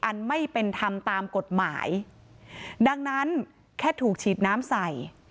อันไม่เป็นธรรมตามกฎหมายดังนั้นแค่ถูกฉีดน้ำใส่